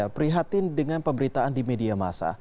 prihatin dengan pemberitaan di media masa